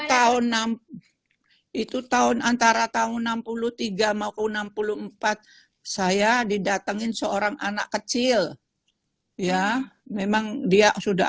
tahun tahun antara tahun enam puluh tiga maupun enam puluh empat saya didatengin seorang anak kecil ya memang dia sudah